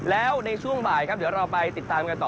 แล้วในช่วงบ่ายครับเดี๋ยวเราไปติดตามกันต่อ